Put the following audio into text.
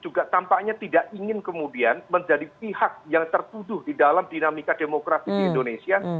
juga tampaknya tidak ingin kemudian menjadi pihak yang tertuduh di dalam dinamika demokrasi di indonesia